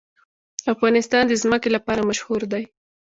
افغانستان د ځمکه لپاره مشهور دی.